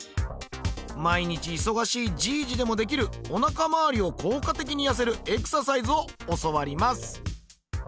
毎日忙しいじいじでもできるおなか回りを効果的に痩せるエクササイズを教わります。